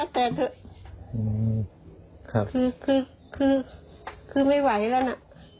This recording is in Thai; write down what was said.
คือคือไม่ไหวแล้วนะ